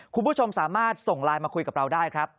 คุณผู้ชมสามารถส่งไลน์มาคุยกับเราได้ครับ